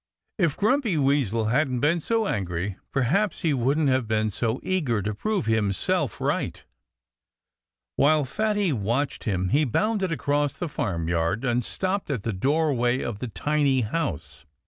If Grumpy Weasel hadn't been so angry perhaps he wouldn't have been so eager to prove himself right. While Fatty watched him he bounded across the farmyard and stopped at the doorway of the tiny house.